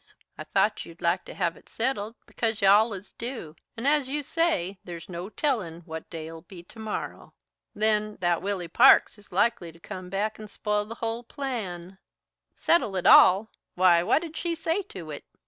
I thought you'd like to have it settled, because you allus do, and, as you say, there's no tellin' what day'll be to morrow. Then, that Willy Parks is likely to come back and spile the hull plan." "Settle it all? Why, what did she say to it?"